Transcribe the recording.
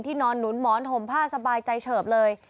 นอนหนุนหมอนห่มผ้าสบายใจเฉิบเลย